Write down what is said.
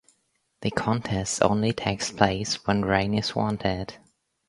The contest only takes place when rain is wanted.